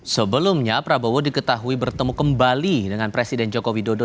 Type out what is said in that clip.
sebelumnya prabowo diketahui bertemu kembali dengan presiden joko widodo